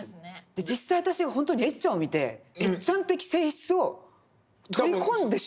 で実際私本当にエッちゃんを見てエッちゃん的性質を取り込んでしまってる。